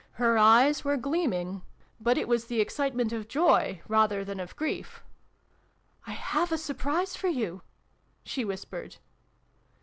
Her eyes were gleaming but it was the excite ment of joy, rather than of grief. " I have a surprise for you !" she whispered.